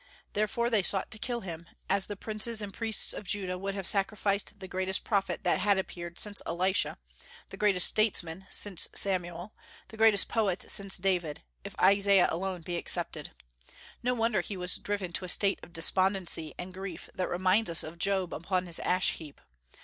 Therefore they sought to kill him, as the princes and priests of Judah would have sacrificed the greatest prophet that had appeared since Elisha, the greatest statesman since Samuel, the greatest poet since David, if Isaiah alone be excepted. No wonder he was driven to a state of despondency and grief that reminds us of Job upon his ash heap.